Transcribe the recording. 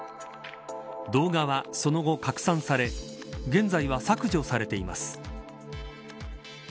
動画は、その後拡散され現在は削除されています。